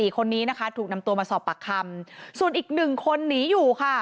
คนนี้นะคะถูกนำตัวมาสอบปากคำส่วนอีก๑คนหนีอยู่ค่ะ